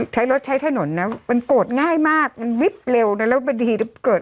ใช้รถใช้ถนนนะมันโกรธง่ายมากมันวิบเร็วนะแล้วบางทีเกิด